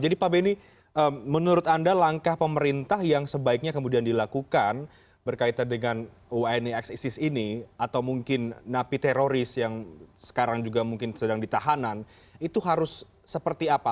jadi pak benny menurut anda langkah pemerintah yang sebaiknya kemudian dilakukan berkaitan dengan unixis ini atau mungkin napi teroris yang sekarang juga mungkin sedang ditahanan itu harus seperti apa